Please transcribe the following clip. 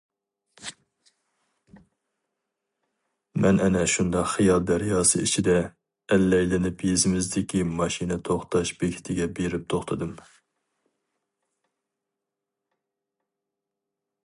مەن ئەنە شۇنداق خىيال دەرياسى ئىچىدە ئەللەيلىنىپ يېزىمىزدىكى ماشىنا توختاش بېكىتىگە بېرىپ توختىدىم.